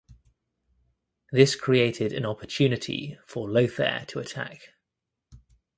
This created an opportunity for Lothair to attack.